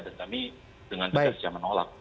dan kami dengan tegas saya menolak